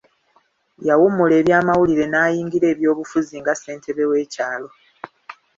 Yawummula ebyamawulire n'ayingira ebyobufuzi nga ssentebe w'ekyalo.